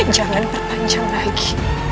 jangan perpanjang lagi